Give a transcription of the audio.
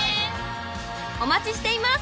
［お待ちしています］